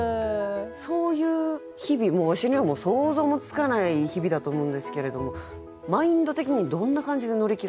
そういう日々もうわしにはもう想像もつかない日々だと思うんですけれどもマインド的にどんな感じで乗り切られてるんですか？